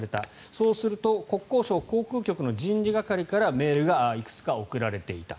そうすると国交省航空局の人事係からメールがいくつか送られていた。